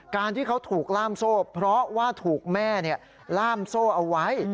การที่เขาถูกล่ามโซ่เพราะว่าถูกแม่ล่ามโซ่เอาไว้